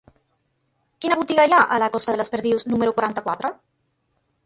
Quina botiga hi ha a la costa de les Perdius número quaranta-quatre?